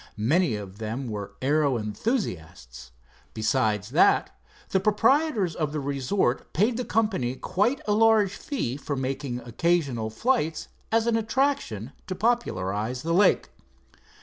Many of them were aero enthusiasts. Besides that, the proprietors of the resort paid the company quite a large fee for making occasional flights as an attraction to popularize the lake.